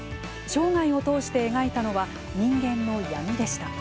生涯を通して描いたのは人間の闇でした。